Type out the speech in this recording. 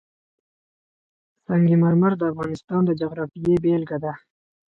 سنگ مرمر د افغانستان د جغرافیې بېلګه ده.